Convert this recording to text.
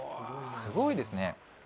すごいですね。